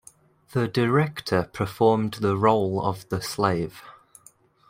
The director performed the role of the slave.